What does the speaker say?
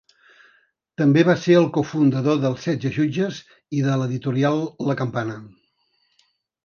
També va ser el cofundador d'Els Setze Jutges i de l'editorial La Campana.